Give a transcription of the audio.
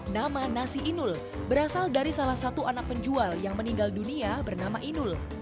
nama nasi inul berasal dari salah satu anak penjual yang meninggal dunia bernama inul